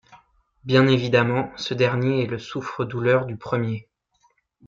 Bien évidemment ce dernier est le souffre-douleur du premier.